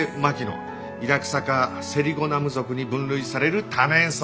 イラクサ科セリゴナム属に分類される多年草。